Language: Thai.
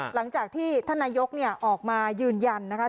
หลังจากที่ท่านนายกรัฐมนตรีเนี่ยออกมายืนยันนะคะ